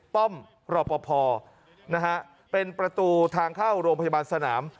ป้อมรอปภนะฮะเป็นประตูทางเข้าโรงพยาบาลสนาม